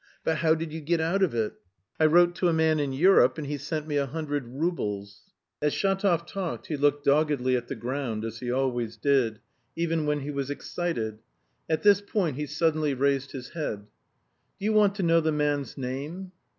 But how did you get out of it?" "I wrote to a man in Europe and he sent me a hundred roubles." As Shatov talked he looked doggedly at the ground as he always did, even when he was excited. At this point he suddenly raised his head. "Do you want to know the man's name?"